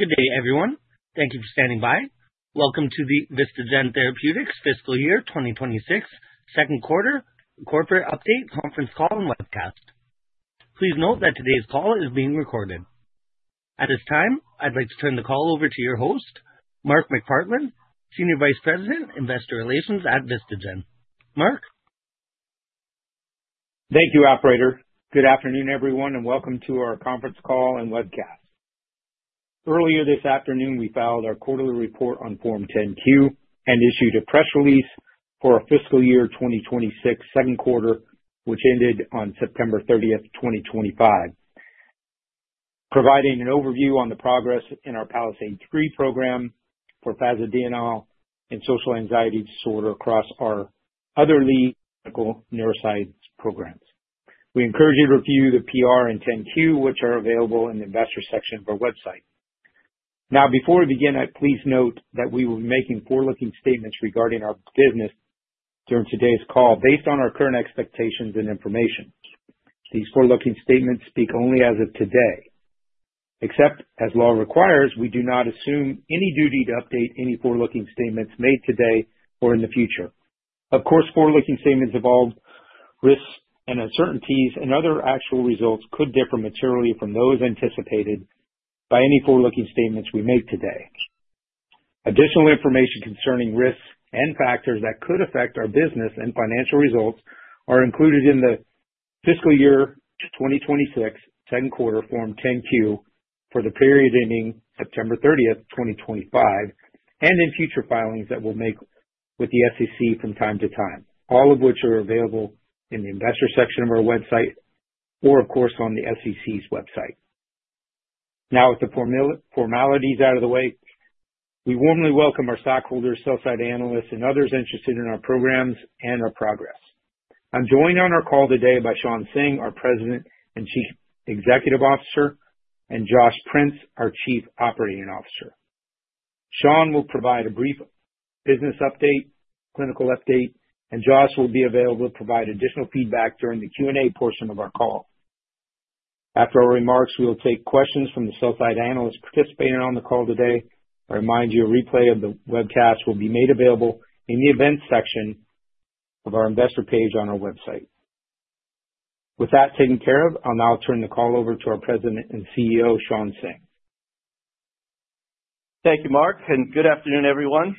Good day, everyone. Thank you for standing by. Welcome to the VistaGen Therapeutics fiscal year 2026, second quarter, corporate update, conference call, and webcast. Please note that today's call is being recorded. At this time, I'd like to turn the call over to your host, Mark McPartland, Senior Vice President, Investor Relations at VistaGen. Mark. Thank you, Operator. Good afternoon, everyone, and welcome to our conference call and webcast. Earlier this afternoon, we filed our quarterly report on Form 10-Q and issued a press release for fiscal year 2026, second quarter, which ended on September 30, 2025, providing an overview on the progress in our PALISADE 3 program for fasedienol and social anxiety disorder across our other lead medical neuroscience programs. We encourage you to review the PR and 10-Q, which are available in the investor section of our website. Now, before we begin, please note that we will be making forward-looking statements regarding our business during today's call based on our current expectations and information. These forward-looking statements speak only as of today. Except as law requires, we do not assume any duty to update any forward-looking statements made today or in the future. Of course, forward-looking statements involve risks and uncertainties and actual results could differ materially from those anticipated by any forward-looking statements we make today. Additional information concerning risks and factors that could affect our business and financial results are included in the fiscal year 2026 second quarter Form 10-Q for the period ending September 30, 2025, and in future filings that we'll make with the SEC from time to time, all of which are available in the investor section of our website or, of course, on the SEC's website. Now, with the formalities out of the way, we warmly welcome our stockholders, sell-side analysts, and others interested in our programs and our progress. I'm joined on our call today by Shawn Singh, our President and Chief Executive Officer, and Josh Prince, our Chief Operating Officer. Shawn will provide a brief business update, clinical update, and Josh will be available to provide additional feedback during the Q&A portion of our call. After our remarks, we'll take questions from the sell-side analysts participating on the call today. I remind you a replay of the webcast will be made available in the events section of our investor page on our website. With that taken care of, I'll now turn the call over to our President and CEO, Shawn Singh. Thank you, Mark, and good afternoon, everyone.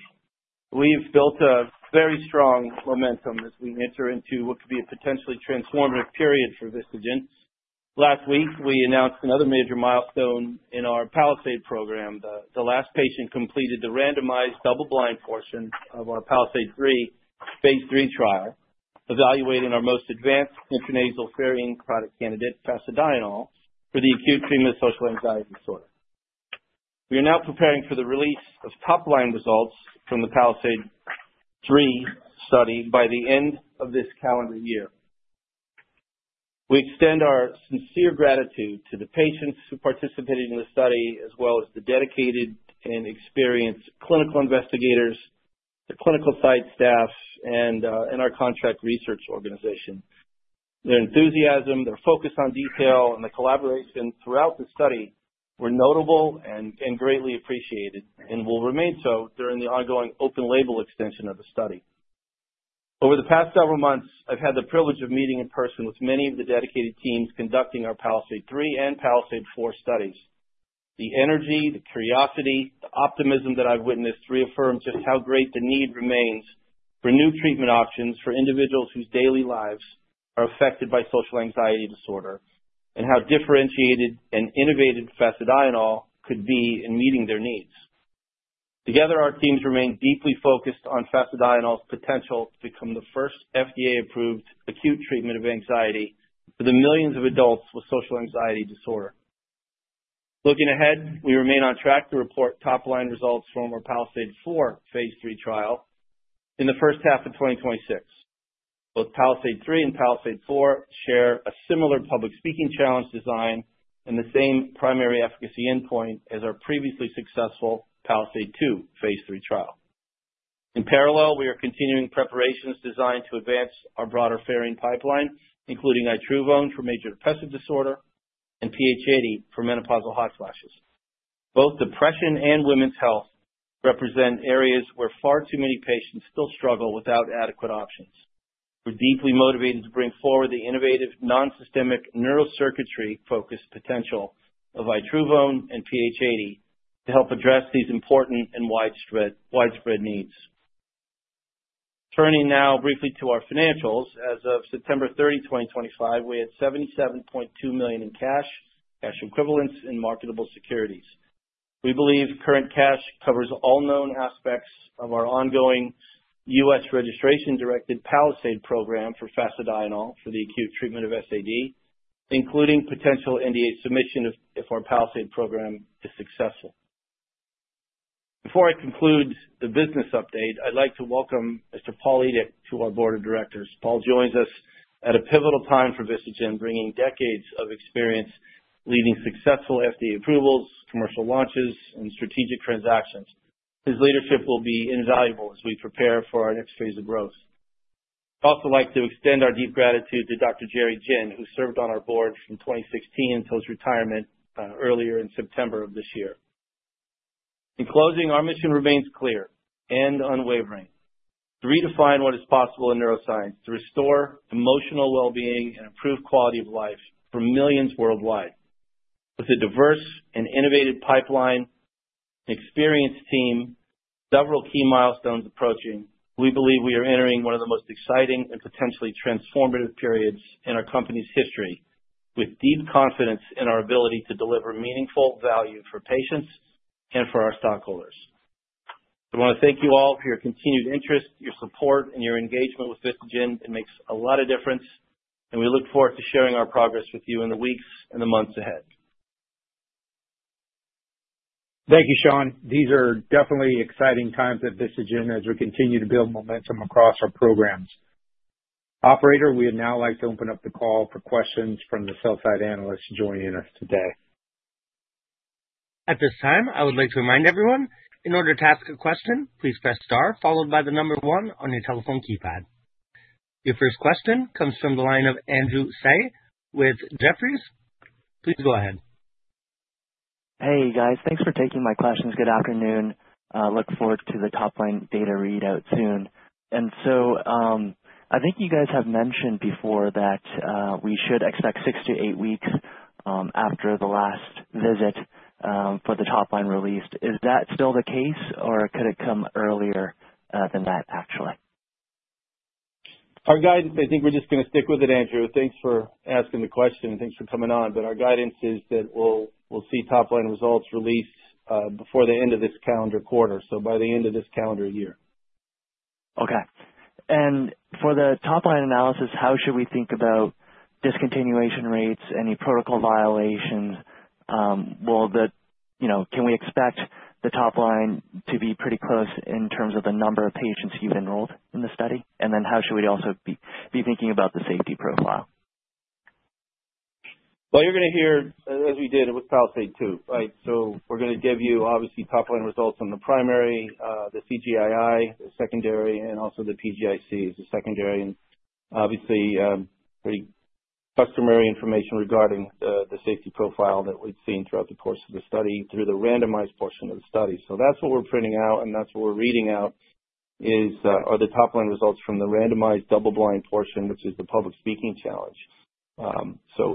We've built a very strong momentum as we enter into what could be a potentially transformative period for VistaGen. Last week, we announced another major milestone in our PALISADE program. The last patient completed the randomized double-blind portion of our PALISADE 3, phase III trial, evaluating our most advanced intranasal product candidate, fasedienol, for the acute treatment of social anxiety disorder. We are now preparing for the release of top-line results from the PALISADE 3 study by the end of this calendar year. We extend our sincere gratitude to the patients who participated in the study, as well as the dedicated and experienced clinical investigators, the clinical site staff, and our contract research organization. Their enthusiasm, their focus on detail, and the collaboration throughout the study were notable and greatly appreciated and will remain so during the ongoing open-label extension of the study. Over the past several months, I've had the privilege of meeting in person with many of the dedicated teams conducting our PALISADE 3 and PALISADE 4 studies. The energy, the curiosity, the optimism that I've witnessed reaffirms just how great the need remains for new treatment options for individuals whose daily lives are affected by social anxiety disorder and how differentiated and innovative fasedienol could be in meeting their needs. Together, our teams remain deeply focused on fasedienol's potential to become the first FDA-approved acute treatment of anxiety for the millions of adults with social anxiety disorder. Looking ahead, we remain on track to report top-line results from our PALISADE 4, phase III trial in the first half of 2026. Both PALISADE 3 and PALISADE 4 share a similar public speaking challenge design and the same primary efficacy endpoint as our previously successful PALISADE 2, phase III trial. In parallel, we are continuing preparations designed to advance our broader ferrous pipeline, including Itruvone for major depressive disorder and PH80 for menopausal hot flashes. Both depression and women's health represent areas where far too many patients still struggle without adequate options. We're deeply motivated to bring forward the innovative non-systemic neurocircuitry-focused potential of Itruvone and PH80 to help address these important and widespread needs. Turning now briefly to our financials, as of September 30, 2025, we had $77.2 million in cash, cash equivalents, and marketable securities. We believe current cash covers all known aspects of our ongoing U.S. registration-directed PALISADE program for Fasedienol for the acute treatment of SAD, including potential NDA submission if our PALISADE program is successful. Before I conclude the business update, I'd like to welcome Mr. Paul Edick to our board of directors. Paul joins us at a pivotal time for VistaGen, bringing decades of experience leading successful FDA approvals, commercial launches, and strategic transactions. His leadership will be invaluable as we prepare for our next phase of growth. I'd also like to extend our deep gratitude to Dr. Jerry Jin, who served on our board from 2016 until his retirement earlier in September of this year. In closing, our mission remains clear and unwavering: to redefine what is possible in neuroscience, to restore emotional well-being, and improve quality of life for millions worldwide. With a diverse and innovative pipeline, an experienced team, and several key milestones approaching, we believe we are entering one of the most exciting and potentially transformative periods in our company's history, with deep confidence in our ability to deliver meaningful value for patients and for our stockholders. I want to thank you all for your continued interest, your support, and your engagement with VistaGen. It makes a lot of difference, and we look forward to sharing our progress with you in the weeks and the months ahead. Thank you, Shawn. These are definitely exciting times at VistaGen as we continue to build momentum across our programs. Operator, we'd now like to open up the call for questions from the sell-side analysts joining us today. At this time, I would like to remind everyone, in order to ask a question, please press star followed by the number one on your telephone keypad. Your first question comes from the line of Andrew Say with Jefferies. Please go ahead. Hey, guys. Thanks for taking my questions. Good afternoon. Look forward to the top-line data readout soon. I think you guys have mentioned before that we should expect six to eight weeks after the last visit for the top-line release. Is that still the case, or could it come earlier than that, actually? Our guidance—I think we're just going to stick with it, Andrew. Thanks for asking the question, and thanks for coming on. Our guidance is that we'll see top-line results released before the end of this calendar quarter, so by the end of this calendar year. Okay. For the top-line analysis, how should we think about discontinuation rates, any protocol violations? Can we expect the top-line to be pretty close in terms of the number of patients you've enrolled in the study? How should we also be thinking about the safety profile? You're going to hear, as we did with PALISADE 2, right? We're going to give you, obviously, top-line results on the primary, the CGII, the secondary, and also the PGICs, the secondary, and obviously pretty customary information regarding the safety profile that we've seen throughout the course of the study through the randomized portion of the study. That's what we're printing out, and that's what we're reading out, are the top-line results from the randomized double-blind portion, which is the public speaking challenge.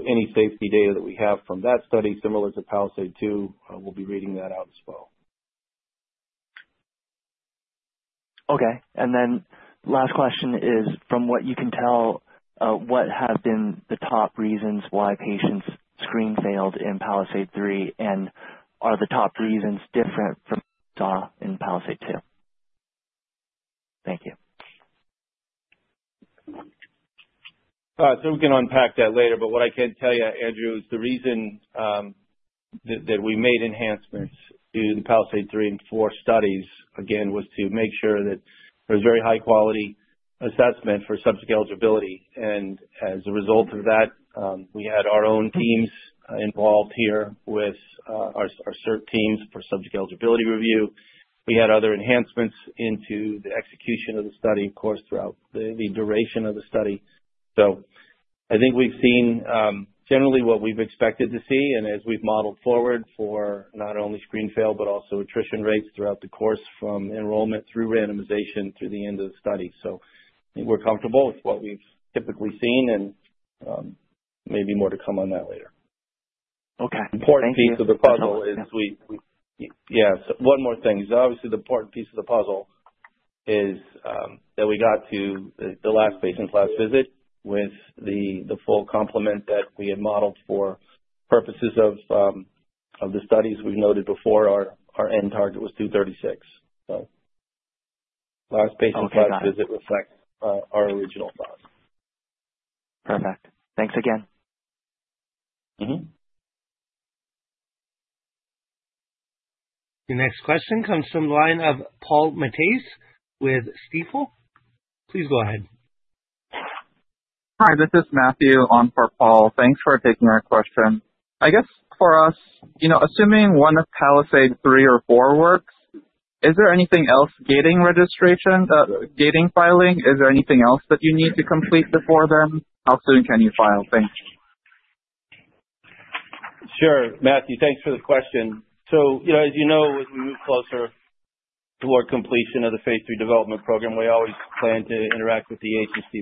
Any safety data that we have from that study, similar to PALISADE 2, we'll be reading that out as well. Okay. And then last question is, from what you can tell, what have been the top reasons why patients screen failed in PALISADE 3, and are the top reasons different from what we saw in PALISADE 2? Thank you. We can unpack that later, but what I can tell you, Andrew, is the reason that we made enhancements to the PALISADE 3 and 4 studies, again, was to make sure that there was very high-quality assessment for subject eligibility. As a result of that, we had our own teams involved here with our cert teams for subject eligibility review. We had other enhancements into the execution of the study, of course, throughout the duration of the study. I think we've seen, generally, what we've expected to see and as we've modeled forward for not only screen fail but also attrition rates throughout the course from enrollment through randomization through the end of the study. I think we're comfortable with what we've typically seen, and maybe more to come on that later. Okay. Important piece of the puzzle is we—yeah. One more thing is, obviously, the important piece of the puzzle is that we got to the last patient's last visit with the full complement that we had modeled for purposes of the studies we've noted before. Our end target was 236. Last patient's last visit reflects our original thoughts. Perfect. Thanks again. Mm-hmm. The next question comes from the line of Paul Matisse with Stifel. Please go ahead. Hi. This is Matthew on for Paul. Thanks for taking our question. I guess for us, assuming one of PALISADE 3 or 4 works, is there anything else, gating registration, gating filing, is there anything else that you need to complete before then? How soon can you file? Thanks. Sure. Matthew, thanks for the question. As you know, as we move closer toward completion of the phase 3 development program, we always plan to interact with the agency.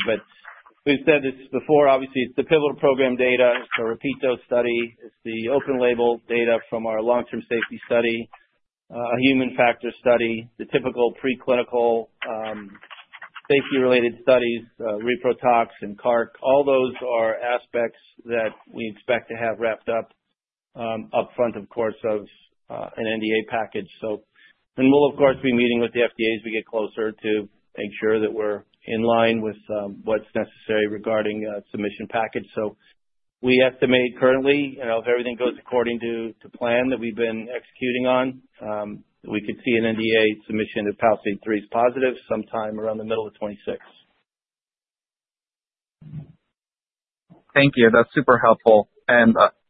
We've said this before, obviously, it's the pivotal program data. It's the repeat dose study. It's the open-label data from our long-term safety study, a human factor study, the typical preclinical safety-related studies, repro tox and CARC. All those are aspects that we expect to have wrapped up upfront, of course, of an NDA package. We'll, of course, be meeting with the FDA as we get closer to make sure that we're in line with what's necessary regarding a submission package. We estimate currently, if everything goes according to plan that we've been executing on, we could see an NDA submission if PALISADE 3 is positive sometime around the middle of 2026. Thank you. That's super helpful.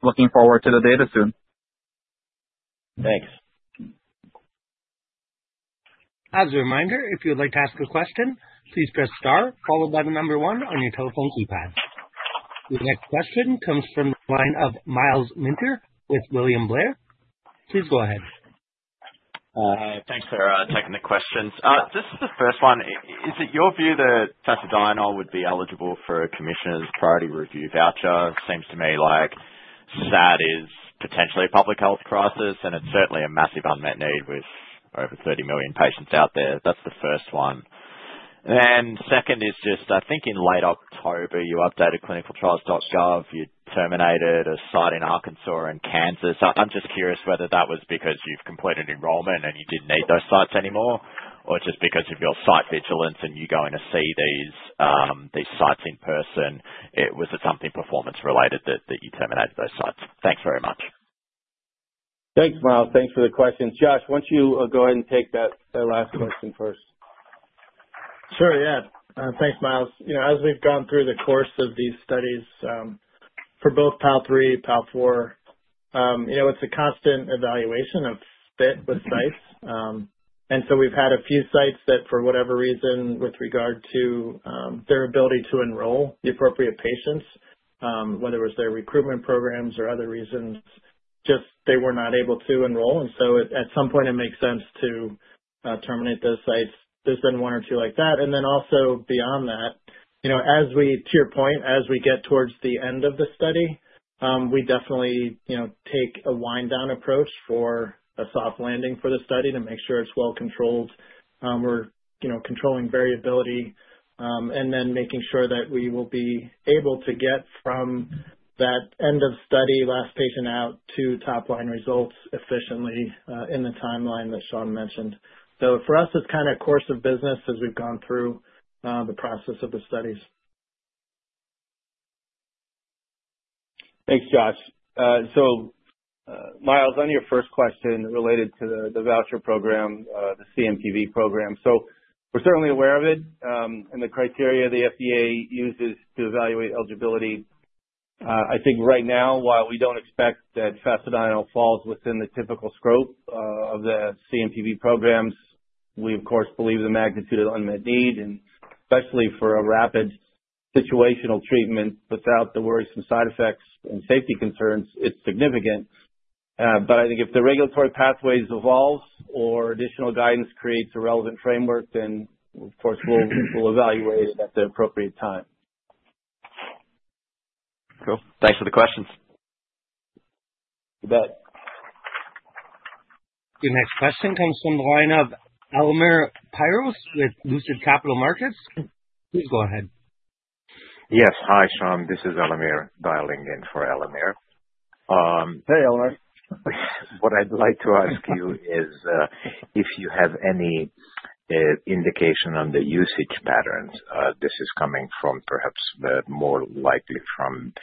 Looking forward to the data soon. Thanks. As a reminder, if you'd like to ask a question, please press star followed by the number one on your telephone keypad. The next question comes from the line of Miles Minter with William Blair. Please go ahead. Thanks for taking the questions. This is the first one. Is it your view that Fasedienol would be eligible for a commissioner's priority review voucher? Seems to me like SAD is potentially a public health crisis, and it's certainly a massive unmet need with over 30 million patients out there. That's the first one. Then second is just, I think in late October, you updated clinicaltrials.gov. You terminated a site in Arkansas and Kansas. I'm just curious whether that was because you've completed enrollment and you didn't need those sites anymore, or just because of your site vigilance and you're going to see these sites in person. Was it something performance-related that you terminated those sites? Thanks very much. Thanks, Miles. Thanks for the questions. Josh, why don't you go ahead and take that last question first? Sure. Yeah. Thanks, Miles. As we've gone through the course of these studies for both PAL3, PAL4, it's a constant evaluation of fit with sites. We've had a few sites that, for whatever reason, with regard to their ability to enroll the appropriate patients, whether it was their recruitment programs or other reasons, just they were not able to enroll. At some point, it makes sense to terminate those sites. There's been one or two like that. Also beyond that, to your point, as we get towards the end of the study, we definitely take a wind-down approach for a soft landing for the study to make sure it's well controlled. We're controlling variability and making sure that we will be able to get from that end-of-study last patient out to top-line results efficiently in the timeline that Shawn mentioned. For us, it's kind of course of business as we've gone through the process of the studies. Thanks, Josh. Miles, on your first question related to the voucher program, the CMPV program, we're certainly aware of it and the criteria the FDA uses to evaluate eligibility. I think right now, while we don't expect that Fasedienol falls within the typical scope of the CMPV programs, we, of course, believe the magnitude of unmet need, and especially for a rapid situational treatment without the worrisome side effects and safety concerns, is significant. I think if the regulatory pathways evolve or additional guidance creates a relevant framework, then, of course, we'll evaluate it at the appropriate time. Cool. Thanks for the questions. You bet. The next question comes from the line of Elemer Piros with Lucid Capital Markets. Please go ahead. Yes. Hi, Shawn. This is Elemir dialing in for Elemir. Hey, Elemir. What I'd like to ask you is if you have any indication on the usage patterns. This is coming from perhaps more likely from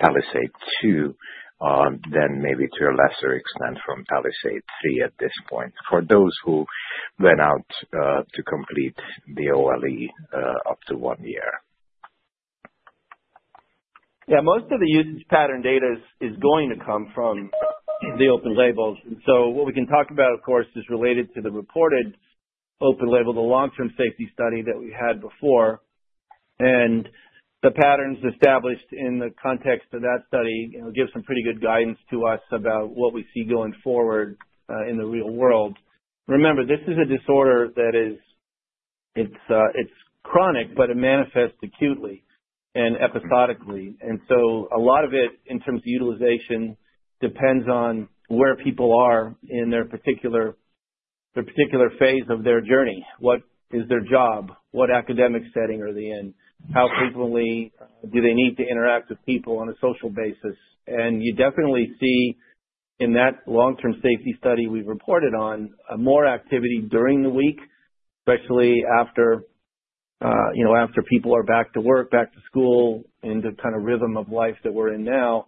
PALISADE 2, then maybe to a lesser extent from PALISADE 3 at this point for those who went out to complete the OLE up to one year. Yeah. Most of the usage pattern data is going to come from the open labels. What we can talk about, of course, is related to the reported open label, the long-term safety study that we had before. The patterns established in the context of that study give some pretty good guidance to us about what we see going forward in the real world. Remember, this is a disorder that is—it's chronic, but it manifests acutely and episodically. A lot of it, in terms of utilization, depends on where people are in their particular phase of their journey. What is their job? What academic setting are they in? How frequently do they need to interact with people on a social basis? You definitely see in that long-term safety study we've reported on more activity during the week, especially after people are back to work, back to school, into the kind of rhythm of life that we're in now.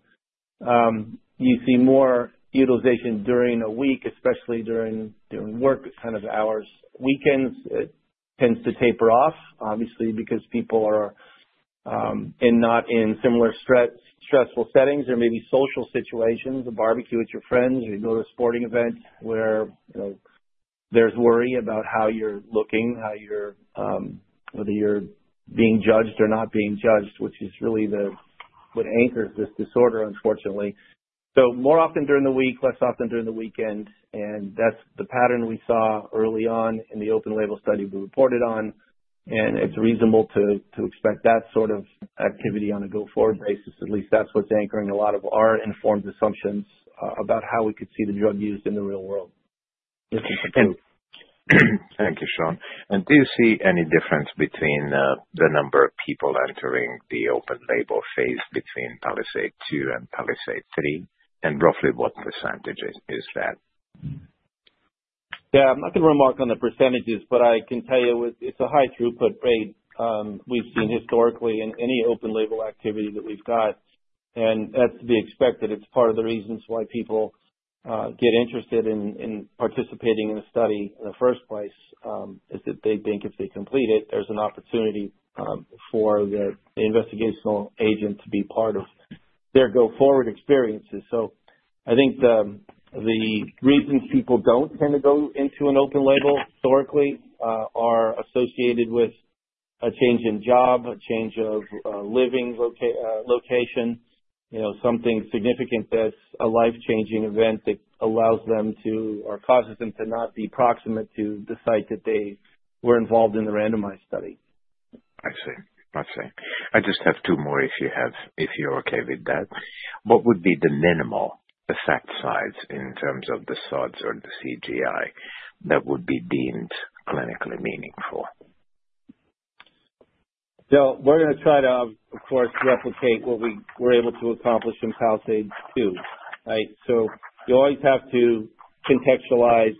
You see more utilization during a week, especially during work kind of hours. Weekends, it tends to taper off, obviously, because people are not in similar stressful settings or maybe social situations, a barbecue with your friends, or you go to a sporting event where there's worry about how you're looking, whether you're being judged or not being judged, which is really what anchors this disorder, unfortunately. More often during the week, less often during the weekend. That's the pattern we saw early on in the open label study we reported on. It's reasonable to expect that sort of activity on a go-forward basis. At least that's what's anchoring a lot of our informed assumptions about how we could see the drug used in the real world. This is the truth. Thank you, Shawn. Do you see any difference between the number of people entering the open label phase between PALISADE 2 and PALISADE 3? Roughly what percentage is that? Yeah. I'm not going to remark on the percentages, but I can tell you it's a high throughput rate we've seen historically in any open-label activity that we've got. That's to be expected. It's part of the reasons why people get interested in participating in a study in the first place is that they think if they complete it, there's an opportunity for the investigational agent to be part of their go-forward experiences. I think the reasons people don't tend to go into an open-label historically are associated with a change in job, a change of living location, something significant that's a life-changing event that allows them to or causes them to not be proximate to the site that they were involved in the randomized study. I see. I see. I just have two more if you're okay with that. What would be the minimal effect size in terms of the SODS or the CGI that would be deemed clinically meaningful? We're going to try to, of course, replicate what we were able to accomplish in PALISADE 2, right? You always have to contextualize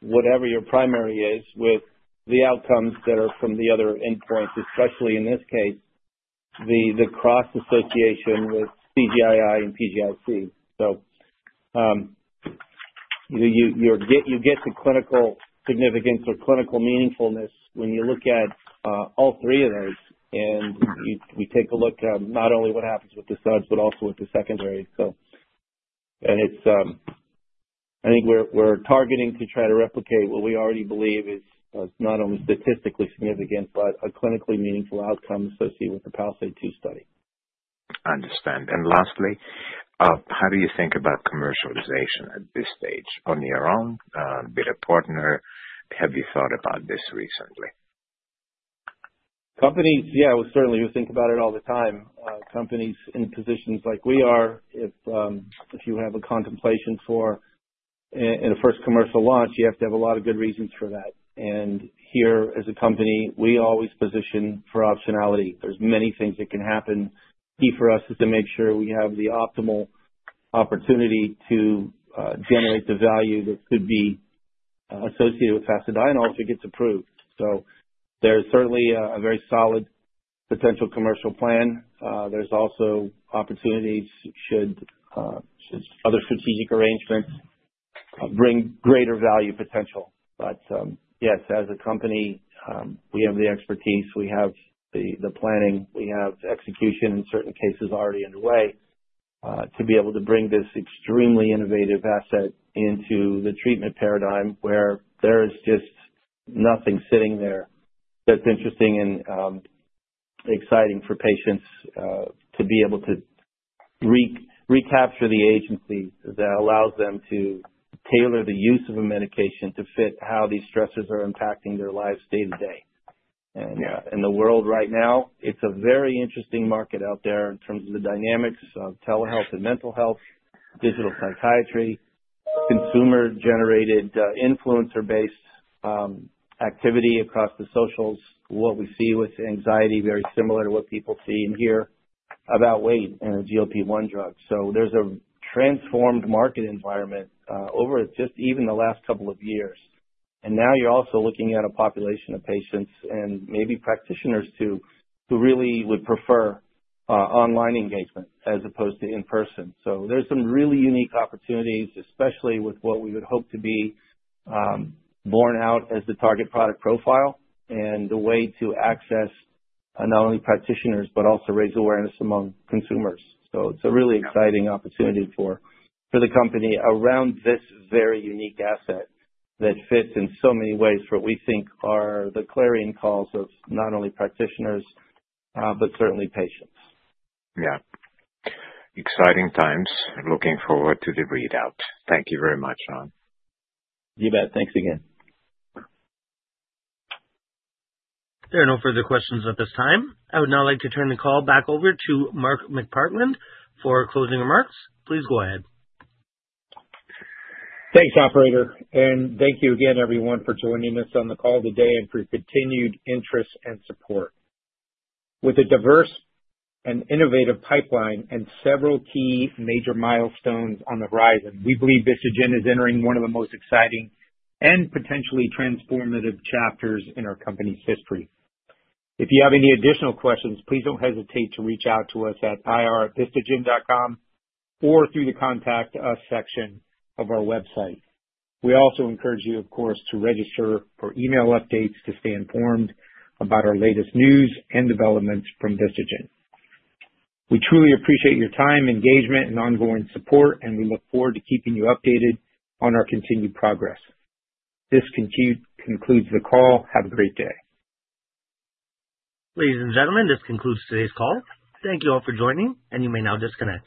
whatever your primary is with the outcomes that are from the other endpoints, especially in this case, the cross-association with CGII and PGIC. You get the clinical significance or clinical meaningfulness when you look at all three of those. We take a look at not only what happens with the SODS but also with the secondary. I think we're targeting to try to replicate what we already believe is not only statistically significant but a clinically meaningful outcome associated with the PALISADE 2 study. I understand. Lastly, how do you think about commercialization at this stage? On your own, with a partner? Have you thought about this recently? Companies, yeah, we certainly think about it all the time. Companies in positions like we are, if you have a contemplation for a first commercial launch, you have to have a lot of good reasons for that. Here, as a company, we always position for optionality. There are many things that can happen. Key for us is to make sure we have the optimal opportunity to generate the value that could be associated with fasedienol if it gets approved. There is certainly a very solid potential commercial plan. There are also opportunities should other strategic arrangements bring greater value potential. Yes, as a company, we have the expertise. We have the planning. We have execution in certain cases already underway to be able to bring this extremely innovative asset into the treatment paradigm where there is just nothing sitting there that's interesting and exciting for patients to be able to recapture the agency that allows them to tailor the use of a medication to fit how these stressors are impacting their lives day to day. In the world right now, it's a very interesting market out there in terms of the dynamics of telehealth and mental health, digital psychiatry, consumer-generated influencer-based activity across the socials, what we see with anxiety very similar to what people see and hear about weight and a GLP-1 drug. There is a transformed market environment over just even the last couple of years. You are also looking at a population of patients and maybe practitioners too who really would prefer online engagement as opposed to in person. There are some really unique opportunities, especially with what we would hope to be borne out as the target product profile and the way to access not only practitioners but also raise awareness among consumers. It is a really exciting opportunity for the company around this very unique asset that fits in so many ways for what we think are the clarion calls of not only practitioners but certainly patients. Yeah. Exciting times. Looking forward to the readout. Thank you very much, Shawn. You bet. Thanks again. There are no further questions at this time. I would now like to turn the call back over to Mark McPartland for closing remarks. Please go ahead. Thanks, operator. Thank you again, everyone, for joining us on the call today and for your continued interest and support. With a diverse and innovative pipeline and several key major milestones on the horizon, we believe VistaGen is entering one of the most exciting and potentially transformative chapters in our company's history. If you have any additional questions, please do not hesitate to reach out to us at ir@vistagen.com or through the Contact Us section of our website. We also encourage you, of course, to register for email updates to stay informed about our latest news and developments from VistaGen. We truly appreciate your time, engagement, and ongoing support, and we look forward to keeping you updated on our continued progress. This concludes the call. Have a great day. Ladies and gentlemen, this concludes today's call. Thank you all for joining, and you may now disconnect.